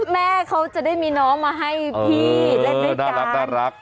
แม่เขาจะได้มีน้องมาให้พี่เล่นด้วยกันน่ารัก